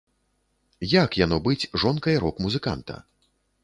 Як яно, быць жонкай рок-музыканта?